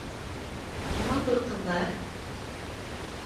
— Ә матур ҡыҙҙар?